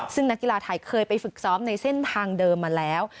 ซึ่งนักกีฬาไทยเคยไปฝึกซ้อมในเส้นทางเดิมมาแล้ว